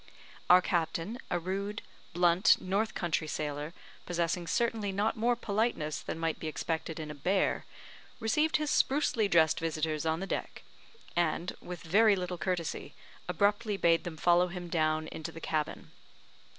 Our captain, a rude, blunt north country sailor, possessing certainly not more politeness than might be expected in a bear, received his sprucely dressed visitors on the deck, and, with very little courtesy, abruptly bade them follow him down into the cabin.